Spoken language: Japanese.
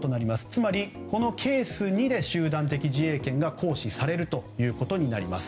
つまりケース２で集団的自衛権が行使されるということになります。